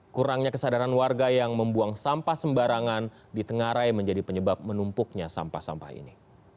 kurangnya kesadaran warga yang membuang sampah sembarangan di tengah rai menjadi penyebab menumpuknya sampah sampah ini